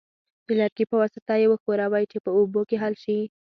د لرګي په واسطه یې وښورئ چې په اوبو کې حل شي.